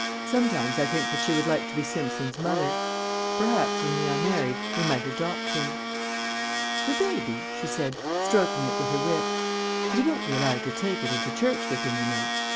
Sometimes I think that she would like to be Simpson's mother. Perhaps, when we are married, we might adopt him. "For baby?" she said, stroking it with her whip. "But he won't be allowed to take it into church with him, you know.